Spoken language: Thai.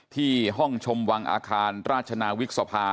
ที่ห้องชมวังอาคารราชนาวิกษภา